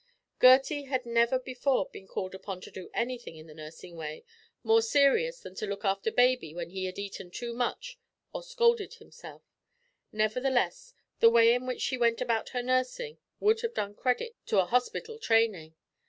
Gertie had never before been called upon to do anything in the nursing way more serious than to look after baby when he had eaten too much or scalded himself nevertheless, the way in which she went about her nursing would have done credit to an hospital training.